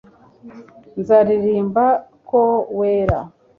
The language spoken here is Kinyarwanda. nzaririmba ko wera